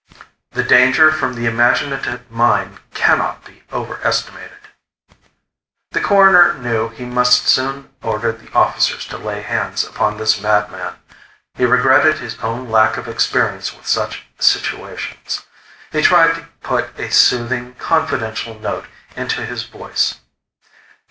"The danger from the imaginative mind cannot be overestimated." The Coroner knew he must soon order the officers to lay hands upon this madman. He regretted his own lack of experience with such situations. He tried to put a soothing, confidential note into his voice.